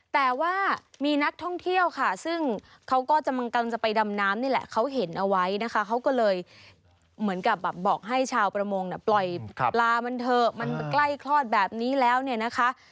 แต่ว่ามีนักท่องเที่ยวค่ะซึ่งเขาก็กำลังจะไปดำน้ำนี่แหละเขาเห็นเอาไว้นะคะเขาก็เลยเหมือนกับแบบบอกให้ชาวประมงปล่อยปลามันเถอะมันใกล้คลอดแบบนี้แล้วเนี่ยนะคะ